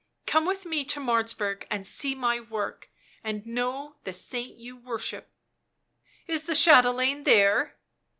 Come with me to Martzburg and see my work, and know the saint you worship." "Is the chatelaine there?"